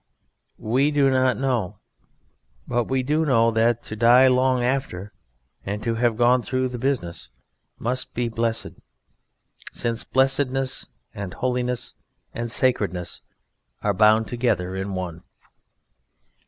We do not know. But we do know that to die long after and to have gone through the business must be blessed, since blessedness and holiness and sacredness are bound together in one.